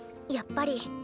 やっぱり。